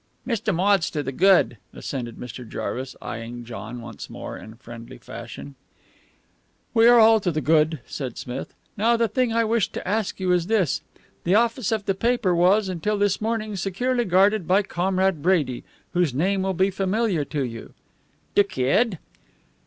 "Mr. Maude's to de good," assented Mr. Jarvis, eying John once more in friendly fashion. "We are all to the good," said Smith. "Now, the thing I wished to ask you is this. The office of the paper was, until this morning, securely guarded by Comrade Brady, whose name will be familiar to you." "De Kid?"